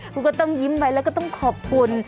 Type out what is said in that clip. คุณก็ต้องยิ้มไปแล้วก็ต้องขอบคุณ